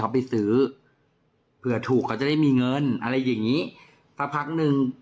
เขาไปซื้อเผื่อถูกเขาจะได้มีเงินอะไรอย่างงี้สักพักหนึ่ง